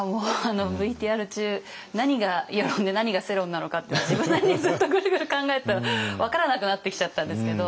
ＶＴＲ中何が輿論で何が世論なのかって自分なりにずっとぐるぐる考えてたら分からなくなってきちゃったんですけど。